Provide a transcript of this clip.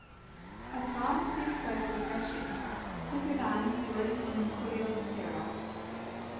A pharmacist by profession, Kugelann worked on Coleoptera.